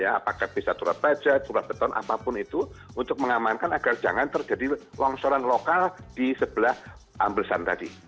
apakah bisa curah baja turap beton apapun itu untuk mengamankan agar jangan terjadi longsoran lokal di sebelah amblesan tadi